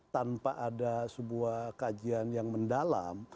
tanpa ada sebuah kajian yang mendalam